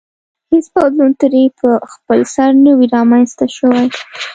هېڅ بدلون ترې په خپلسر نه وي رامنځته شوی.